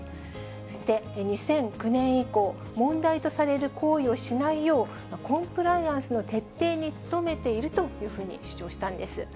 そして、２００９年以降、問題とされる行為をしないよう、コンプライアンスの徹底に努めているというふうに主張したんです。